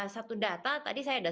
satu data tadi saya sudah